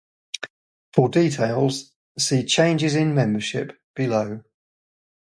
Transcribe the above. For details, see "Changes in membership", below.